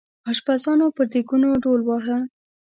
اشپزانو پر دیګونو ډول واهه.